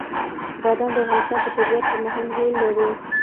بادام د افغانستان په طبیعت کې مهم رول لري.